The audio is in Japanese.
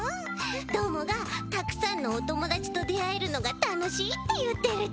どーもが「たくさんのおともだちとであえるのがたのしい」っていってるち。